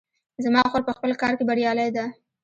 زما خور په خپل کار کې بریالۍ ده